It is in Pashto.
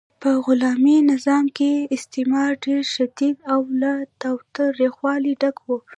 په غلامي نظام کې استثمار ډیر شدید او له تاوتریخوالي ډک و.